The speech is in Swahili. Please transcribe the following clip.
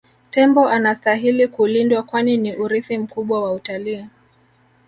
tembo anastahili kulindwa kwani ni urithi mkubwa wa utalii